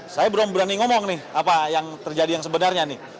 saya berani ngomong nih apa yang terjadi yang sebenarnya